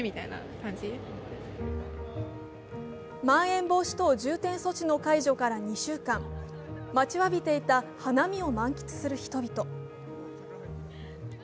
まん延防止等重点措置の解除から２週間、待ちわびていた花見を満喫する人々。